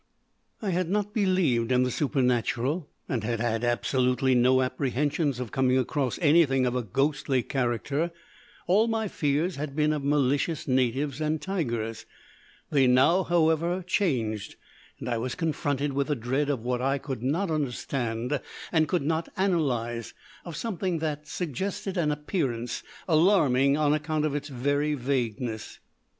"I had not believed in the supernatural, and had had absolutely no apprehensions of coming across anything of a ghostly character all my fears had been of malicious natives and tigers; they now, however, changed, and I was confronted with a dread of what I could not understand and could not analyse of something that suggested an appearance, alarming on account of its very vagueness.